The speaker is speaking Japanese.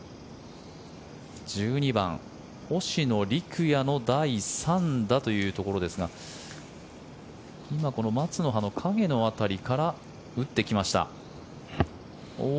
１２番、星野陸也の第３打というところですが今、この松の葉の影の辺りから打ってきました。